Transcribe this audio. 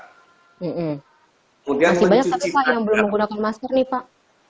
masih banyak yang belum menggunakan masker nih pak